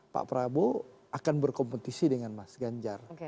pak prabowo akan berkompetisi dengan mas ganjar